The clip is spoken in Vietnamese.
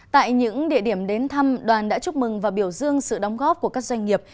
tại những địa điểm đến thăm đoàn đã chúc mừng và biểu dương sự đóng góp của các doanh nghiệp